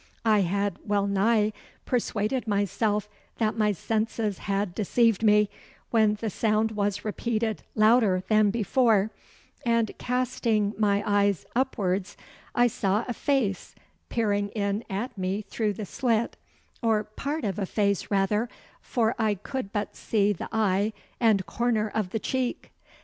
I had well nigh persuaded myself that my senses had deceived me, when the sound was repeated louder than before, and casting my eyes upwards I saw a face peering in at me through the slit, or part of a face rather, for I could but see the eye and corner of the cheek.